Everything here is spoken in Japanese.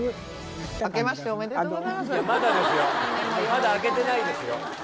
まだ明けてないですよ。